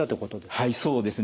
はいそうですね。